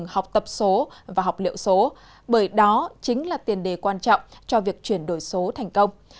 học tập số và học liệu số bởi đó chính là tiền đề quan trọng cho việc chuyển đổi số thành công